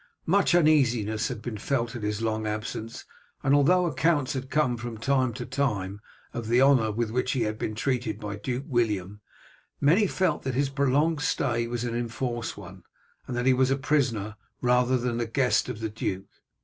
Much uneasiness had been felt at his long absence, and although accounts had come from time to time of the honour with which he had been treated by Duke William, many felt that his prolonged stay was an enforced one, and that he was a prisoner rather than a guest of the duke.